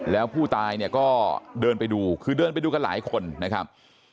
แล้วผู้ตายเนี่ยก็เดินไปดูคือเดินไปดูกันหลายคนนะครับ